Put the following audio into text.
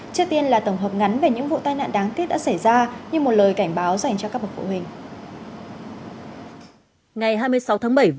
trước tiên là tổng hợp ngắn về những vụ tai nạn đáng tiếc đã xảy ra như một lời cảnh báo dành cho các bậc phụ huynh